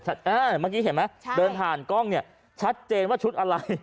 เมื่อกี้เห็นไหมเดินผ่านกล้องเนี่ยชัดเจนว่าชุดอะไร